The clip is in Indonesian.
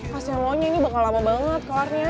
kasnya lo nya ini bakal lama banget keluar ya